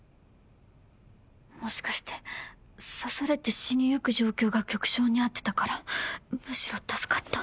もしかして刺されて死にゆく状況が曲調に合ってたからむしろ助かった？